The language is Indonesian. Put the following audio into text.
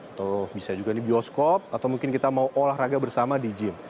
atau bisa juga di bioskop atau mungkin kita mau olahraga bersama di gym